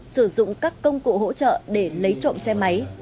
sử dụng các công cụ hỗ trợ để lấy trộm xe máy